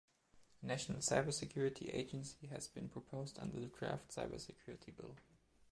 A National Cyber Security Agency has been proposed under the draft "Cyber Security Bill".